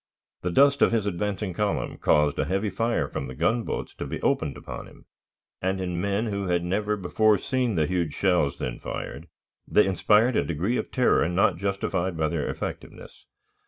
The dust of his advancing column caused a heavy fire from the gunboats to be opened upon him, and, in men who had never before seen the huge shells then fired, they inspired a degree of terror not justified by their effectiveness.